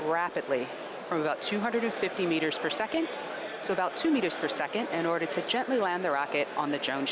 dari dua ratus lima puluh meter per saat sampai dua meter per saat untuk menyerang roket pada kapal terbang jones